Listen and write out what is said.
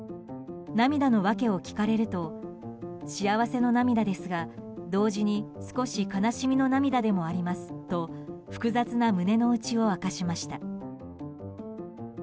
涙の訳を聞かれると幸せの涙ですが同時に少し悲しみの涙でもありますと複雑な胸の内を明かしました。